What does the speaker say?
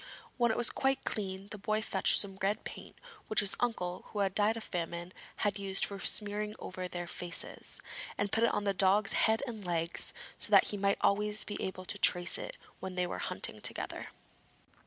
When it was quite clean, the boy fetched some red paint which his uncle who had died of famine had used for smearing over their faces, and put it on the dog's head and legs so that he might always be able to trace it when they were hunting together.